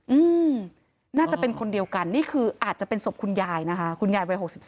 อืมน่าจะเป็นคนเดียวกันนี่คืออาจจะเป็นศพคุณยายนะคะคุณยายวัยหกสิบสอง